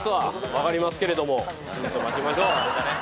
分かりますけれどもヒント待ちましょう。